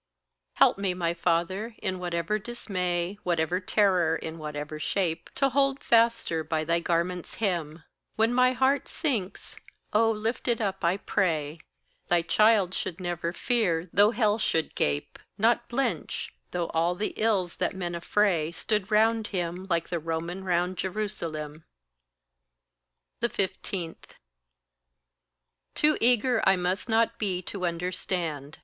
Help me, my Father, in whatever dismay, Whatever terror in whatever shape, To hold the faster by thy garment's hem; When my heart sinks, oh, lift it up, I pray; Thy child should never fear though hell should gape, Not blench though all the ills that men affray Stood round him like the Roman round Jerusalem. 15. Too eager I must not be to understand.